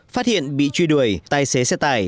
phát hiện bị truy đuổi tài xế xe tải